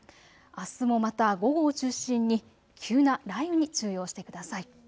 あすもまた午後を中心に急な雷雨に注意をしてください。